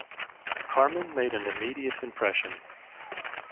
Carman made an immediate impression.